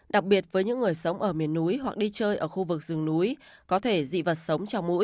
đặc biệt với những người sống ở miền núi hoặc đi chơi ở khu vực rừng núi có thể dị vật sống trong mũi